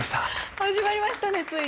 始まりましたねついに。